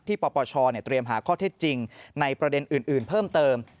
ปปชเตรียมหาข้อเท็จจริงในประเด็นอื่นเพิ่มเติม